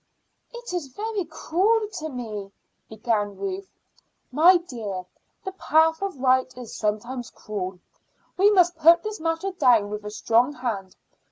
"It is very cruel to me," began Ruth. "My dear, the path of right is sometimes cruel. We must put this matter down with a strong hand.